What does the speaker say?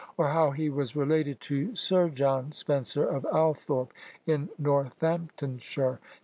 or how he was related to Sir John Spenser of Althorpe, in Northamptonshire?